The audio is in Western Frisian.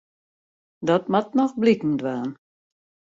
Dat moat noch bliken dwaan.